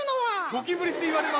ゴキブリっていわれます。